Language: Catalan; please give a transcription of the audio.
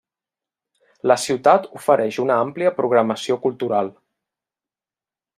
La ciutat ofereix una àmplia programació cultural.